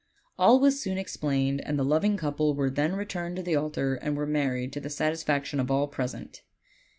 All was soon explained, and the loving couple then returned to the altar and were married, to the sat isfaction of all present.